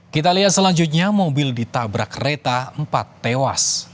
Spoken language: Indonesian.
kita lihat selanjutnya mobil ditabrak kereta empat tewas